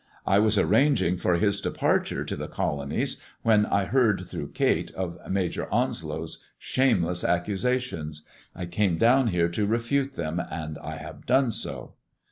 I was arranging for his departure to the colonies when I heard through Kate of Major Onslow's shameless accus ations. I came down here to refute them, and I have done so."